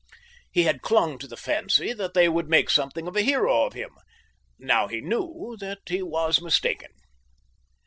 He had clung to the fancy that they would make something of a hero of him. Now he knew that he was mistaken.